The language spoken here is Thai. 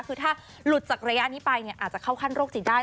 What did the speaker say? คือถ้าหลุดจากระยะนี้ไปอาจจะเข้าขั้นโรคจิตได้